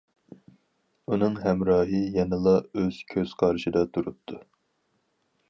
ئۇنىڭ ھەمراھى يەنىلا ئۆز كۆز قارىشىدا تۇرۇپتۇ.